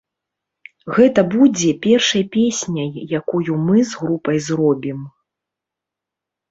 Гэта будзе першай песняй, якую мы з групай зробім.